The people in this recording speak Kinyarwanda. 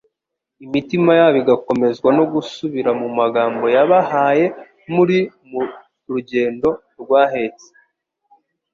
imitima yabo igakomezwa no gusubira mu magambo yabahaye muri mu rugendo rwahetse,